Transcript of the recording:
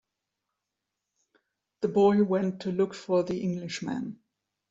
The boy went to look for the Englishman.